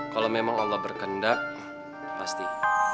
kalau memang allah berkendak pasti